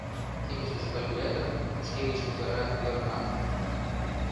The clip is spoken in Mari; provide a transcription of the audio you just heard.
— Кидыштыже калькулятор, — шке гыч кусара Йорма.